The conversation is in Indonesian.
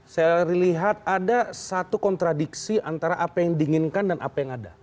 saya lihat ada satu kontradiksi antara apa yang diinginkan dan apa yang ada